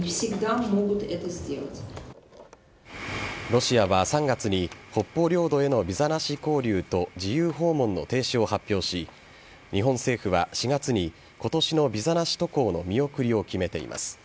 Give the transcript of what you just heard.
ロシアは３月に北方領土へのビザなし交流と自由訪問の停止を発表し日本政府は４月に今年のビザなし渡航の見送りを決めています。